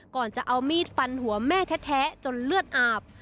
ก่อนจะเอามีดฟันหัวแม่แท้จนเลือดอาบ